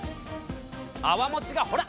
泡もちがほら！